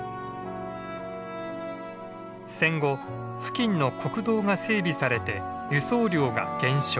戦後付近の国道が整備されて輸送量が減少。